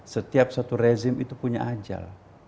setiap suatu rezim itu punya ajal